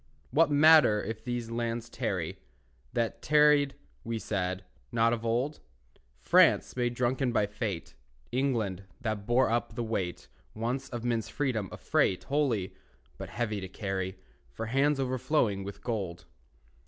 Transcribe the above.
What matter if these lands tarry, That tarried (we said) not of old? France, made drunken by fate, England, that bore up the weight Once of men's freedom, a freight Holy, but heavy to carry For hands overflowing with gold.